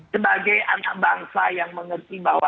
sebagai anak bangsa yang mengerti bahwa